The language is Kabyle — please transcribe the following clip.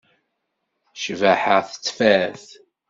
Ccbaḥa tettfat.